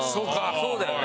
そうだよね。